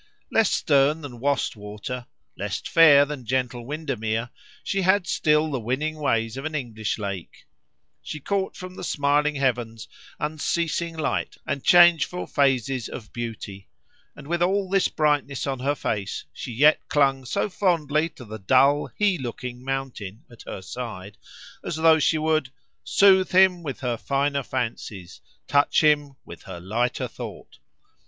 Less stern than Wast Water, less fair than gentle Windermere, she had still the winning ways of an English lake; she caught from the smiling heavens unceasing light and changeful phases of beauty, and with all this brightness on her face, she yet clung so fondly to the dull he looking mountain at her side, as though she would "Soothe him with her finer fancies, Touch him with her lighter thought."